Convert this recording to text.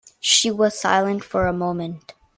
She was silent for a moment.